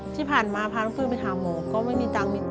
ที่ผ่านมาพาทั้งคืนไปถามหมอก็ไม่มีเงิน